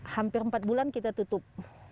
hampir empat bulan kita tutup